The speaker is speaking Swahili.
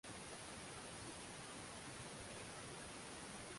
Kuna misimu miwili ya mvua katika wa manyara